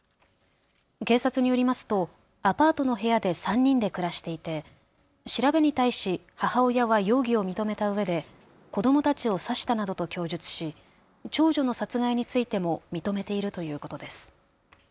警察によりますとアパートの部屋で３人で暮らしていて調べに対し母親は容疑を認めたうえで子どもたちを刺したなどと供述し長女の殺害についても認めているということです。